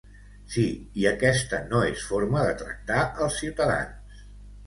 Sí, i aquesta no es forma de tractar als ciutadans!!